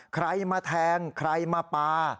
ใครมาแทงใครมาปลา